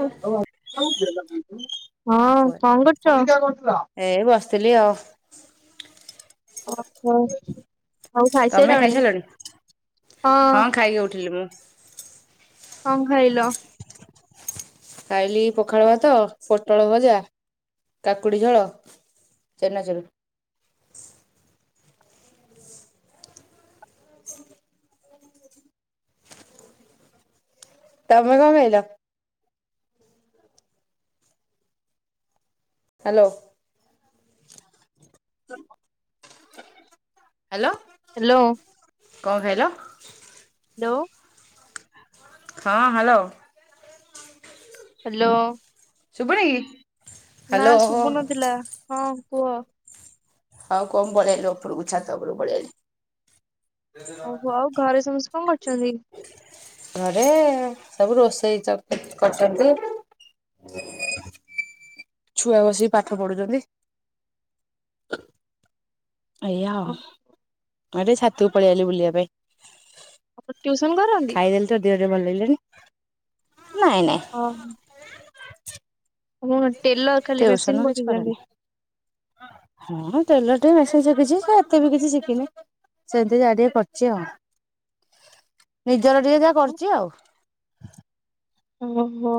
ହଁ କଣ କରୁଛ? ଏଇ ବସିଥିଲି ଆଉ। ଓହୋ ହଉ ତମେ ଖାଇସିଲଣି ଖାଇସାରିଲଣି? ହଁ। ଖାଇକି ଉଠିଲି ମୁଁ। କଣ ଖାଇଲ? ଖାଇଲି ପଖାଳ ଭାତ ପୋଟଳ ଭଜା କାକୁଡି ଝୋଳ। ଚେନାଚୁରୁ। ତମେ କଣ ଖାଇଲ? ହ୍ୟାଲୋ। ହ୍ୟାଲୋ। ହ୍ୟାଲୋ। କଣ ଖାଇଲ? ହ୍ୟାଲୋ। ହଁ ହ୍ୟାଲୋ। ହ୍ୟାଲୋ। ଶୁଭଣି କି? ନା ହ୍ୟାଲୋ ଶଶୁବୁନଥିଲା ହଁ କୁହ? ହଉ କଣ ପଳେଇଲ ଉପରକୁଛାତ ଉପରୁକୁ ପାଲେଇଆଇଲି। ଓହୋ ଘରେ ସମସ୍ତେ କଣ କରୁଛନ୍ତି? ଘରେ ସବୁ ରୋଷେଇ କରୁଛନ୍ତି। ଛୁଆ ବସିକି ପାଠ ପଢୁଛନ୍ତି। ଏଇଆଉ ଆରେ ଛତିକୁ ପଳେଇ ଆଲି ବୁଲିବା ପାଇଁ। ଆପଣ ଟ୍ୟୁସନ କରନ୍ତି? ଖାଇଦେଲି ତ ଦେହ ଟିକେ ଭଲ ଲାଗିଲାଣି ନାଇଁ ନାଇଁ। ହଁ ହଁ। ଓ ଟେଲର ଖାଲି ଟିଉସନ ମେସିନ କିଛି କରେନି। ପକେଇଛନ୍ତି। ହଁ ତେଲଟେ ମେସିନ୍ ଶିଖିଛି ସେ ଏତେ ବି କିଛି ଶିଖିନି। ସେମିତି ଯା ଟିକେ କରିଛି ଆଉ। ନିଜର ଟିକେ ଯାହା କରିଛି ଆଉ। ଓହୋ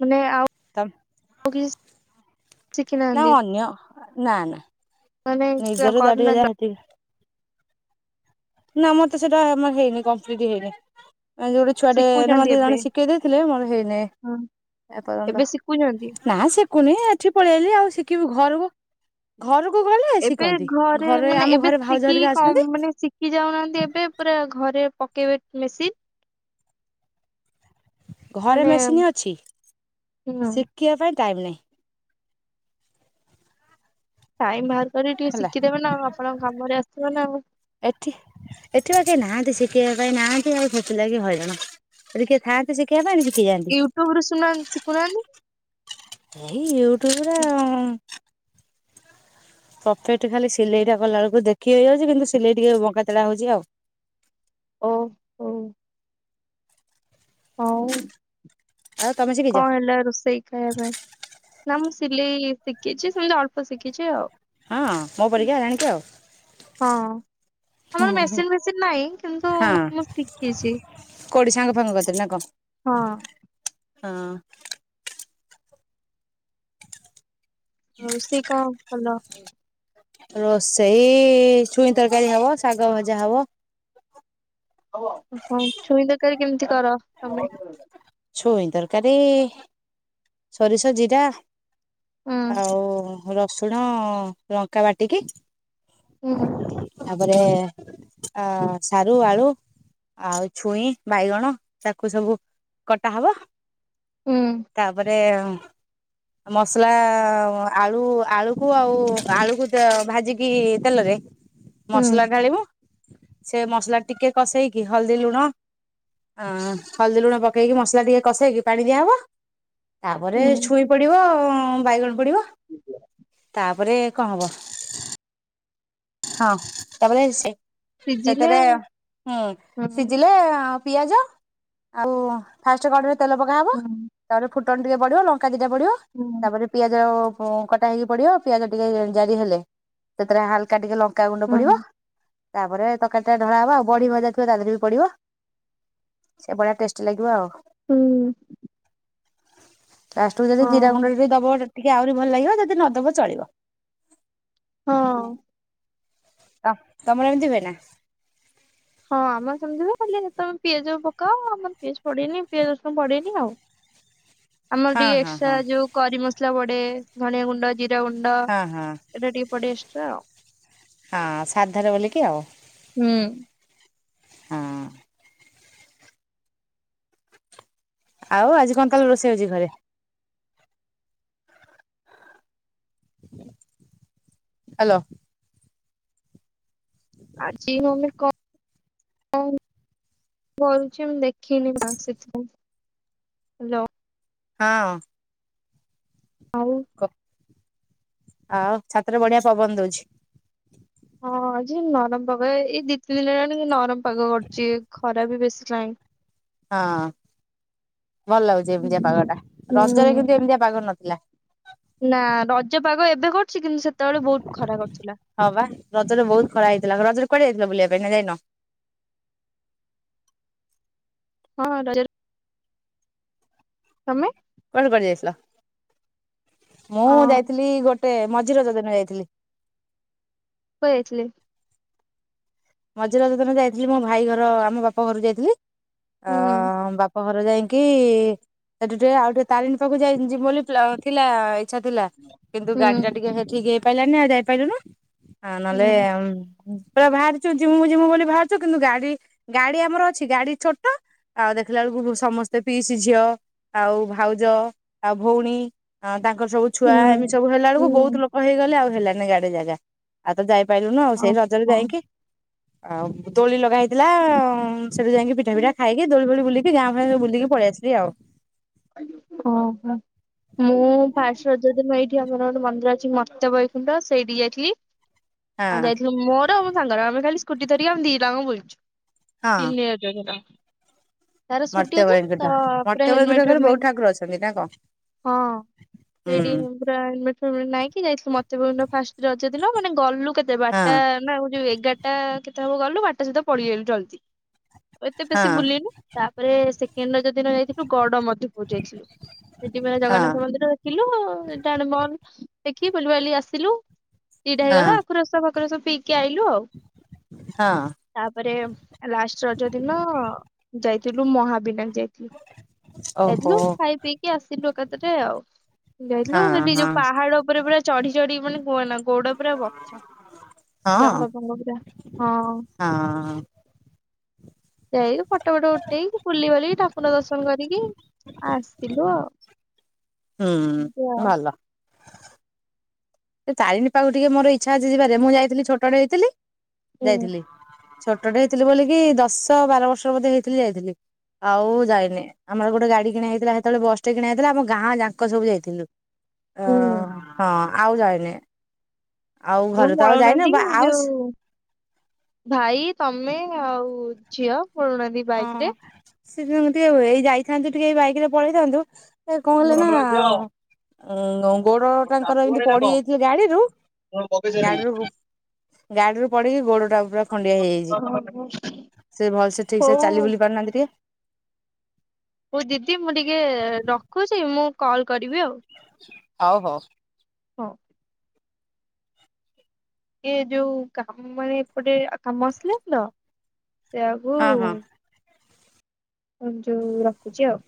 ମାନେ ଆପ ତମ୍। ଓକେ। ନା ଅନ୍ୟ ନା ନା ମାନେ ନିଜର ତା ଟିକେ କରୁନାହାନ୍ତି ଯାହା ହେତିକି। ନା ମତେ ସେଇଟା ଆମର ହେଇନି କମ୍ପ୍ଲିଟ ହେଇନି ଆଉ ଯୋଉଟି ଛୁଆଟେ ନ ମେ ଶିଖୁଛନ୍ତି ଏବେ ଜଣେ ଶିଖେଇ ଦେଇଥିଲେ ମୋର ହେଇନି ହଁ ଏପର୍ଯ୍ୟନ୍ତ, ଏବେ ଶିଖୁଛନ୍ତି। ନାସେ କୁନି ଏଠି ପଳେଇଲି ଆଉ ଶିଖିବି ଘରକୁ ଘରକୁ ଗଲେ ଏବେ ସିକନ୍ତି ଘରେ ମାନେ ଆମ ଏବେ ଘରେ ଭାଉଜ ଶିଖିକି ହେରିକା କମ୍ ଅଛନ୍ତି। ମାନେ ଶିଖି ଯାଉନାହାନ୍ତି ଏବେ ପୁରା ଘରେ ପକେଇବେ ମେସିନ୍। ଘରେ ମାନେ ମେସିନ୍ ଅଛି ହୁଁ ଶିଖିବା ପାଇଁ ଟାଇମ୍ ନାହିଁ। ଟାଇମ ବାହାର କରିିକି ଟିକେ ହେଲା ଶିଖିଦେବ ନା ଆଉ ଆପଣଙ୍କ କାମରେ ଆସିବ ନା ଆଉ। ଏଠି ଏଠି ବା କିଏ ନାହାନ୍ତି ଶିଖିବା ପାଇଁ ନାହାନ୍ତି ଆଉ ସେଥି ଲାଗି ହଇରାଣ ଯଦି କିଏ ଥାଆନ୍ତେ କିଏ ସିକନ୍ତା ମୁ ସିକିଯାନ୍ତି। ୟୁଟ୍ୟୁବରୁ ଶୁନା ଶିଖୁନାହାନ୍ତି ଏଇ ୟୁଟ୍ୟୁବରେ ଆଉ। ପକେଟ ଖାଲି ସିଲେଇଟା କଲା ବେଳକୁ ଦେଖିହେଇ ଯାଉଛି କିନ୍ତୁ ସିଲେଇ ଟିକେ ବଙ୍କାଟେଳା ହଉଛି ଆଉ। ଓ। ହଉ। ହଉ ଆଉ ତମେ ଶିଖିଛ? କଣ ହେଲା ରୋଷେଇ? ଖାଇବା ପାଇଁ ନା ମୁଁ ସିଲେଇ ଶିଖିଛି ସେମିତି ଅଳ୍ପ ଶିଖିଛି ଆଉ। ହଁ ମୋ ପରିକା ଜାଣିକି। ହଁ। ଆମର ମେସିନ ଫେସିନ ନାହିଁ କିନ୍ତୁ ମୁଁ ଶିଖିଛି। କଉଡି ସାଙ୍ଗ ଫାଙ୍ଗ କତିରେ ନା କଣ? ହଁ। ହଁ। ରୋଷେଇ କଣ କଲ? ରୋଷେଇ ଛୁଇଁ ତରକାରୀ ହବ ଶାଗ ଭଜା ହବ। ହଁ ଛୁଇଁ ତରକାରୀ କେମିତି କର ତମେ? ଛୁଇଁ ତରକାରୀ ସୋରିଷ ଜିରା ହୁଁ ଆଉ ରସୁଣ ଲଙ୍କା ବାଟିକି। ହୁଁ ଉଁ ତାପରେ ଅ ସାରୁ ଆଳୁ ଆଉ ଛୁଇଁ ବାଇଗଣ ତାକୁ ସବୁ କଟା ହବ। ହୁଁ ଉଁ ତା ପରେ ମସଲା ଆଳୁ, ଆଳୁକୁ ଆଉ ଆଳୁକୁ ଭାଜିକି ତେଲରେ ହୁଁ ମସଲା ଢାଳିବୁ ସେ ମସଲା ଟିକେ କଷେଇକି ହଳଦୀ ଲୁଣ ଅଁ ହଳଦୀ ଲୁଣ ପକେଇକି, ମସଲା ଟିକେ କସେଇକି, ପାଣି ଦିଆହବ ତାପରେ ହୁଁ ଛୁଇଁ ପଡିବ ବାଇଗଣ ପଡିବ ତାପରେ କଣ ହବ। ହଁ ତାପରେ ସିଝିଲେ ସେଥିରେ ହୁଁ, ସିଝିଲେ ପିଆଜ ଆଉ ଫାଷ୍ଟେ କଡ଼ରେତେଲ ପକାହବ। ହୁଁ ତାପରେ ଫୁଟଣ ଟିକେ ବଢିବ, ଲଙ୍କା ଦିଟା ବଢିବ ହୁଁ ତାପରେ ପିଆଜ କଟା ହେଇକି ପଡିବ, ପିଆଜ ଟିକେ ଜାରି ହେଲେ, ସେଥିରେ ହାଲକା ଟିକେ ଲଙ୍କା ଲକା ଗୁଣ୍ଡ ହୁଁ ପଡିବ, ତାପରେ ତରକାରୀ ଟା ଢଳା ହବ, ଆଉ ବଢି ଭଜା ଥିବ ତା ଦେହରେ ବି ପଡିବ। ସେ ଭଳିଆ ଟେଷ୍ଟି ଲାଗିବ ଆଉ। ହୁଁ ଉଁ ଲଷ୍ଟକୁ ଯଦି ଜିରା ଗୁଣ୍ଡରେ ବି ଦବ ଟିକେ ଆହୁରି ଭଲ ଲାଗିବ, ଯଦି ନଦବ ଚଳିବ। ହଁ ଅଁ ତ ତମର ଏମିତି ହୁଏ ନା? ହଁ ଆମର ତମେ ପିଆଜ ପକାଅ ଆମର ପିଆଜ ପଡେନି, ପିଆଜ ରସୁଣ ପଡେନି ଆଉ। [inaudible] ଆମର ହଁ ଟିକେ ହଁ ଏକ୍ସଟ୍ରା ହଁ ଯୋଉ କରି ମସଲା ପଡେ, ଧନିଆ ଗୁଣ୍ଡ, ଜିରା ଗୁଣ୍ଡ ହଁ ହଁ ଏଇଟା ଟିକେ ପଡେ। ହଁ, ସାଧାରେ ବୋଲିକି ଆଉ ହୁଁ ଉଁ ହୁଁ। ଆଉ ଆଜି କଣ ତାହେଲେ ରୋଷେଇ ହେଉଛି ଘରେ? ହାଲୋ ଆଜି ମାନେ କଣ କ କରୁଛି, ମୁଁ ଦେଖିନି ବା ସେଥି ହେଲା। ହଁ ଆଉ ଆଉ ଛାତରେ ବଢିଆ ପବନ ଦଉଛି। ହଁ ଆଜି ନରମ ପାଗ ଏଇ ଦି ତିନି ଦିନ ହେଲାଣି ନରମ ପାଗ କରୁଛି ଖରା ବି ବେଶୀ ନାହିଁ। ହଁ ଭଲ ଲାଗୁଛି ଏମିତିଆ ହୁଁ ପାଗ ଟା, ହୁଁ ରଜରେ କିନ୍ତୁ ଏମିତିଆ ପାଗ ନଥିଲା। ନା ରଜ ପାଗ ଏବେ କରୁଛି କିନ୍ତୁ ସେତେବେଳେ ବହୁତ ଖରା କରୁଥିଲା। ହଁ ବା ରଜରେ ବହୁତ ଖରା ହେଇଥିଲା, ରଜରେ କୁଆଡେ ଯାଇଥିଲ ବୁଲିବା ପାଇଁ ନା ଯାଇନ? ହଁ ର ତମେ ତମେ କୁଆଡେ ଯାଇଥିଲ, ଅ ମୁଁ ଯାଇଥିଲି ଗୋଟେ ମଝି ରଜ ଦିନ ଯାଇଥିଲି। କୁଆଡେ ଯାଇଥିଲେ? ମଝି ରଜ ଦିନ ଯାଇଥିଲି ମୋ ଭାଇ ଘର, ଆମ ବାପା ଘରକୁ ଯାଇଥିଲି, ହୁଁ ବା ପର ଯାଇକି ସେଠି ଟିକେ ଆଉ ଟିକେ ତାରିଣୀ ପାଖକୁ ଯାଇ ବୋଲି ଥିଲା। ଇଛା ଥିଲା କିନ୍ତୁ ହୁଁ ଗାଡି ଟା ଟିକେ ଠିକ ହେଇପାରିଲାନି ଆଉ ଯାଇପାରିଲୁ ନି। ହଁ ନହେଲେ, ହୁଁ ପୁରା ବାହାର ଜିମୁ ଜିମୁ ବୋଲି ଭାବାରୁଛୁ କିନ୍ତୁ ଗାଡି, ଗାଡି ଆମର ଅଛି ଗାଡି ଛୋଟ। ଆଉ ଦେଖିଲା ବେଳକୁ ସମସ୍ତେ ପିଇସି ଝିଅ। ଆଉ ଭାଉଜ ଆଉ ଭଉଣୀ ତାଙ୍କର ସବୁ ଛୁଆ ହୁଁ ଏମି ସବୁ ହେଲା ବେଳକୁ ବହୁତ ହୁଁ ଲୋକ ହେଇଗଲେ ଆଉ ହେଲାନି ଗାଡିରେ ଜାଗା। ଆଉ ତ ଯାଇପାରିଲୁନୁ ଆଉ ସେଇ ରଜରେ ଓହୋ। ଯାଇକି ଆଉ ଦୋଳି ଲଗା ହେଇଥିଲା ଉଁ ସେଠୁ ଯାଇକି ପିଠା ପିଠା ଖାଇକି ଦୋଳି ଫୋଳି ବୁଲି କି ଗାଁ ଫା ରେ ବୁଲିକି ପଳେଇ ଆସିଲି ଆଉ। ଓହୋ। ମୁଁ ଫାର୍ଷ୍ଟ ରଜ ଦିନ ଏଇଠି ଆମର ଗୋଟେ ମନ୍ଦିର ଅଛି ମତ୍ୟ ବୈକୁଣ୍ଠ ସେଇଠି ଯାଇଥିଲି। ଆଉ ହଁ ଯାଇଥିଲୁ ମୋର ଆଉ ମୋ ସାଙ୍ଗର ଆମେ ଖାଲି ସ୍କୁଟି ଧରିକି ଆମେ ଦି ଟା ଙ୍କ ବୁଲୁଛୁ ହଁ ସିନିୟର୍। ତାର ସ୍କୁଟି ମର୍ତ୍ତ୍ୟ ଅଛି ବୈକୁଣ୍ଠ ତ ପୁରା ମର୍ତ୍ତ୍ୟ ହେଲମେଟ। ବୈକୁଣ୍ଠରେ ବହୁତ ହେଲମେଟ ଠାକୁର ଅଛନ୍ତି ନା କଣ? ହଁ ହୁଁ ସେଇଠି। ପୁରା ହେଲମେଟ ଫେଲମେଟ ନାଇକି ଯାଇଥିଲୁ ମତ୍ୟ ବୈକୁଣ୍ଠ ଫାର୍ଷ୍ଟ ରଜ ଦିନ ମାନେ ଗଲୁ। କେତେ ହଁ ବାରଟା ନା ଉ ଯୋଉ ଏଗାରଟା କେତେ ହବ ଗଲୁ ବାରଟା ସୁଦ୍ଧା ପଳି ଆଇଲୁ ଜଲଦି। ଆଉ ଏତେ ହଁ ବେଶୀ ବୁଲିନୁ ତାପରେ ସେକେଣ୍ଡ ରଜ ଦିନ ଯାଇଥିଲୁ ଗଡ ପୁର ଯାଇଥିଲୁ ସେଠି ଫେରେ ହଁ ଜଗନ୍ନାଥ ମନ୍ଦିର। ଦେଖିଲୁ ଏଇଟା ଆଡ଼େ ବନ୍ଦ ଦେଖି ବୁଲିିବାଲି ଆସିଲୁ ଦିଟା ହଁ ହେଇଗଲା ଆଖୁରସ ଫା ଆଖୁ ରସ ପିକୀ ଆଇଲୁ ଆଉ। ହଁ। ତାପରେ ଲାଷ୍ଟ ରଜ ଦିନ ଯାଇଥିଲୁ ମହାବିନାୟକ ଯାଇଥିଲୁ। ଓହୋ। ଯାଇଥିଲୁ ଖାଇ ପିଇକି ଆସିଲୁ ଏକାଥରେ ଆଉ ଯାଇଥିଲୁ ହଁ ସେଠି ହଁ ଯୋଉ ପାହାଡ ଉପରେ ପୁରା। ଚଢି ଚଢ଼ି ମାନେ କୁହନା। ଗୋଡ ପୁରା ବଥା ହଁ ଜଙ୍ଘ ଫଙ୍ଗ ପୂରା ହଁ। ହଁ ଯାଇକି ଫଟୋ ଫଟୋ ଉଠେଇକି ବୁଲି ବାଲିକି ଠାକୁର ଦର୍ଶନ କରିକି। ଆସିଲୁ ଆଉ। ଏମିତି ହୁଁ ଆଉ। ଭଲ। ଏ ତାରିଣୀ ପାଖକୁ ଟିକେ ମୋର ଇଚ୍ଛା ଅଛି ଯିବାରେ ମୁଁ ଯାଇଥିଲି ଛୋଟଟେ ହେଇଥିଲି ହୁଁ ଯାଇଥିଲି। ଛୋଟଟେ ହେଇଥିଲି ବୋଲିକି ଦଶ ବାର ବର୍ଷର ବୋଧେ ହେଇଥିଲି ଯାଇଥିଲି। ଆଉ ଯାଇନି ଆମର ଗୋଟେ ଗାଡି କିଣା ହେଇଥିଲା ସେତେବେଳେ ବସଟେ କିଣା ହେଇଥିଲା ଆମ ଗାଁ ଯାକ ସବୁ ଯାଇଥିଲୁ। ଅ ହୁଁ। ହଁ ଆଉ ଯାଇନି। ଆଉ ଉଁ ଘରେ ତ ଆଉ ଯାଇନି ପଳଉନାହାନ୍ତି ବା ଆଉ ଯୋଉ। ଭାଇ ତମେ ଆଉ ଝିଅ ପଳଉ ନାହାନ୍ତି। ହଁ ସେ ଦି ଜଣ ଟିକେ ଏଇ ଯାଇଥାନ୍ତୁ ଟିକେ ଏଇ ବାଇକ ରେ ପଳେଇଥାନ୍ତୁ। ଏ କଣ ହେଲା ଓହୋ ନା। ଉଁ ଙ୍ଗୋ ଗୋଡ ତାଙ୍କର ଏମିତି ପଡି ଯାଇଥିଲେ ଗାଡିରୁ ଗାଡିରୁ। ଗାଡିରୁ ପଡିକି ଗୋଡ ଟା ପୁରା ଖଣ୍ଡିଆ ହେଇଯାଇଛି ସେ ଭଲସେ। ଠିକ ହଉ ସେ ଚାଲି ବୁଲି ପାରୁନାହାନ୍ତି ଟିକେ। ହଉ ଦିଦି ମୁଁ ଟିକେ ରଖୁଛି ମୁଁ କଲ କରିବି ଆଉ। ହଉ ହଉ। ହଉ। ଏ ଯୋଉ କାମ ମାନେ ଏପଟେ ଆ କାମ ଆସିଲା ତ ସେୟାକୁ। ହଁ ହଁ। ଉଁ ଯୋଉ ରଖୁଛି ଆଉ।